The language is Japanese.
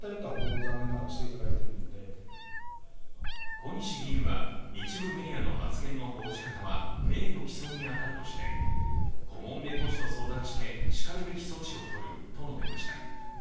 小西議員は一部メディアの発言の報じ方は名誉毀損に当たるとして、顧問弁護士と相談してしかるべき措置を取ると述べました。